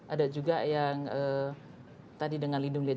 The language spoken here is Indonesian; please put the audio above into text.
ada juga yang tadi dengan lindung nilai